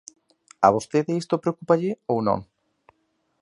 ¿A vostede isto preocúpalle ou non?